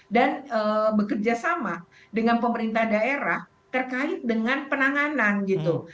dan bekerja sama dengan pemerintah daerah terkait dengan penanganan gitu